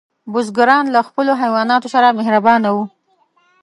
بزګران له خپلو حیواناتو سره مهربانه وو.